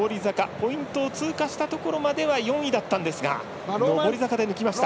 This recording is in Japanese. ポイントを通過したところまでは４位だったんですが上り坂で抜きました。